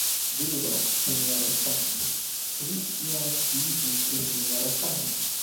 Diru do, Sinjoro Song, ĉu vi ion sciiĝis pri Sinjoro Frank?